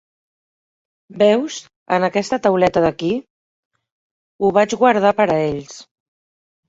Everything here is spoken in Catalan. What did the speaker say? Veus, en aquesta tauleta d'aquí? Ho vaig guardar per a ells.